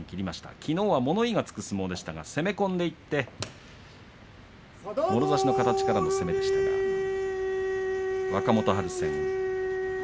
きのうは物言いがつく相撲でしたが攻め込んでいってもろ差しの形からの攻めでした若元春戦。